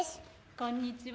こんにちは。